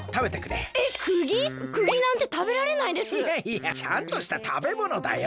いやいやちゃんとしたたべものだよ。